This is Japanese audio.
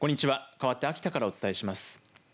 かわって秋田からお伝えします。